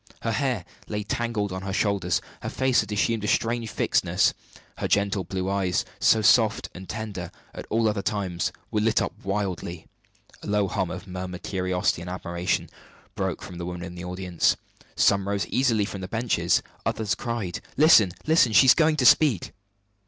Her hair lay tangled on her shoulders; her face had assumed a strange fixedness; her gentle blue eyes, so soft and tender at all other times, were lit up wildly. A low hum of murmured curiosity and admiration broke from the women of the audience. Some rose eagerly from the benches; others cried: "Listen, listen! she is going to speak!"